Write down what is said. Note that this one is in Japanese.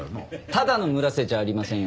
ただの村瀬じゃありませんよ。